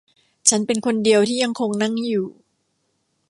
ฉันเป็นคนเดียวที่ยังคงนั่งอยู่